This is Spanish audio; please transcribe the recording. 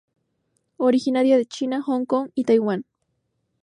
Originaria de China, Hong Kong, y Taiwan.